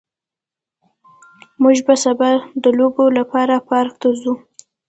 موږ به سبا د لوبو لپاره پارک ته ځو